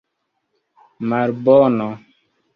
malbono